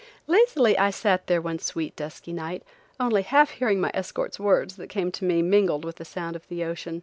Lazily I sat there one sweet, dusky night, only half hearing my escort's words that came to me mingled with the sound of the ocean.